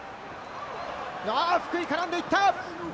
福井、絡んでいった。